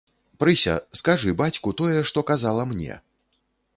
Прыся, скажы бацьку тое, што казала мне.